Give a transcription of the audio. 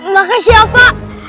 makasih ya pak